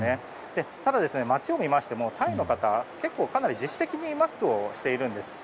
ただ、街を見ましてもタイの方は結構自主的にマスクをしているんです。